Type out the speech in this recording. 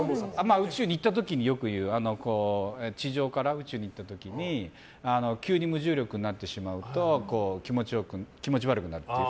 宇宙に行った時によく言う地上から宇宙に行った時に急に無重力になってしまうと気持ち悪くなるっていう。